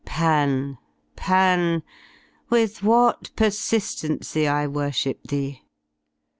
Pan! Pan! With what persistency I worshipped thee!